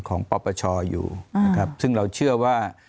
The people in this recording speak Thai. ของปรปชอยู่ซึ่งเราเชื่อว่า